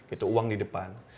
itu uang di depan